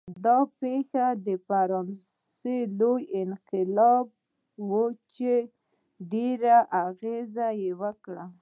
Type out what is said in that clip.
دا پېښه د فرانسې لوی انقلاب و چې ډېر یې اغېز وکړ.